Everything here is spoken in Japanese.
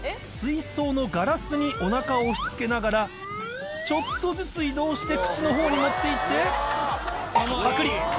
水槽のガラスにおなかを押し付けながら、ちょっとずつ移動して、口のほうに持っていって、ぱくり。